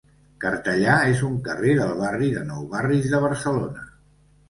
Cartellà és un carrer del barri de Nou Barris de Barcelona.